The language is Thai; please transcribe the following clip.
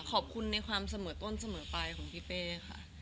ขอบคุณในความเสมอต้นเสมอไปของพี่เป้ค่ะ